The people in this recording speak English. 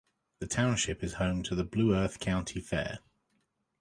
The township is home to the Blue Earth County Fair.